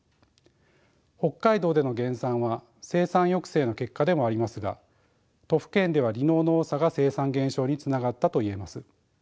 北海道での減産は生産抑制の結果でもありますが都府県では離農の多さが生産減少につながったと言えます。